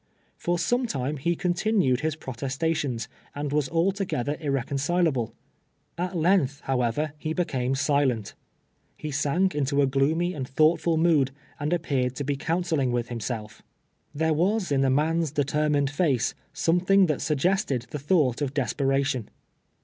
For some time ho continued his protestations, and was altogether irrec oncilable. At length, however, he became silent. He sank into a gloomy and thonghtful mood, aiul ap peared to 1)0 counseling with himself. There Avas in JIM, CLTFEE AXD JEITNT. 67 the man's determined fiicc, sometliing that suggested the thought of desperation.